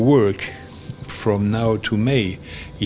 dan sekarang sampai mei